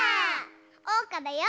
おうかだよ！